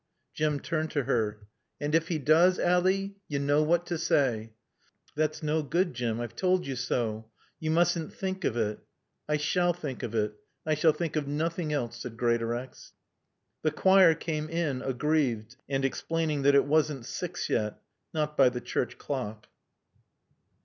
Jim turned to her. "And if he doos, Ally, yo' knaw what to saay." "That's no good, Jim. I've told you so. You mustn't think of it." "I shall think of it. I shall think of noothing else," said Greatorex. The choir came in, aggrieved, and explaining that it wasn't six yet, not by the church clock.